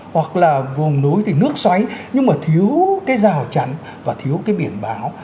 hoặc là vùng núi thì nước xoáy nhưng mà thiếu cái rào chắn và thiếu cái biển báo